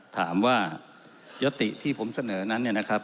ถามว่ายศติที่ผมเสนอนั้นเนี่ยนะครับ